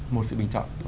một sự bình chọn